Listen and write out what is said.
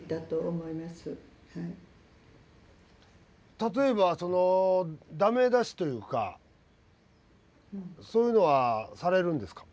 例えばそのダメ出しというかそういうのはされるんですか？